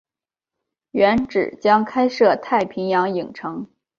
原址将开设太平洋影城。